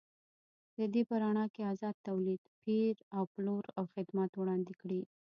د دې په رڼا کې ازاد تولید، پېر او پلور او خدمات وړاندې کړي.